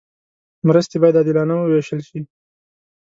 مرستې باید عادلانه وویشل شي.